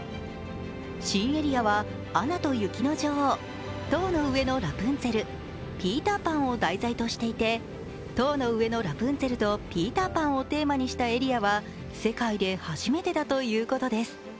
新エリアは「アナと雪の女王」、「塔の上のラプンツェル」、「ピーター・パン」を題材としていて「塔の上のラプンツェル」と「ピーター・パン」をテーマにしたエリアは世界で初めてだということです。